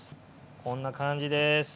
こんな感じです。